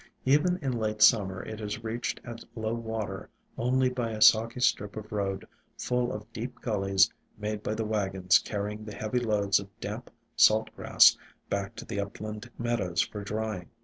Even in late Summer it is reached at low water only by a soggy strip of road full of deep gullies made by the wagons carrying the heavy loads of damp salt grass back to the upland meadows for drying.